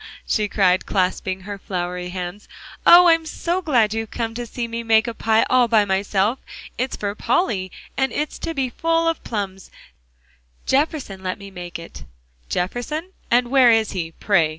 she cried, clasping her floury hands, "oh! I'm so glad you've come to see me make a pie all by myself. It's for Polly, and it's to be full of plums; Jefferson let me make it." "Jefferson? And where is he, pray?"